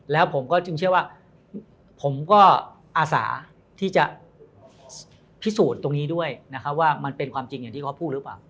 แล้วผมก็อาศาที่จะพิสูจน์ตรงนี้ด้วยว่ามันเป็นความจริงอย่างที่เขาพูดหรือเปล่า